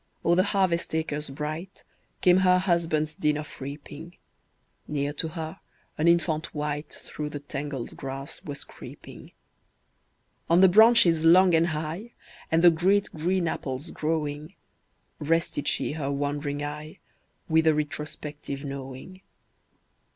O'er the harvest acres bright, Came her husband's din of reaping; Near to her, an infant wight Through the tangled grass was creeping. On the branches long and high, And the great green apples growing, Rested she her wandering eye, With a retrospective knowing.